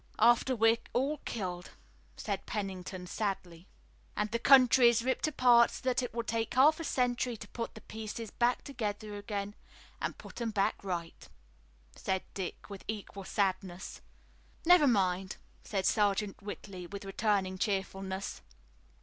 "After we're all killed," said Pennington sadly. "And the country is ripped apart so that it will take half a century to put the pieces back together again and put 'em back right," said Dick, with equal sadness. "Never mind," said Sergeant Whitley with returning cheerfulness.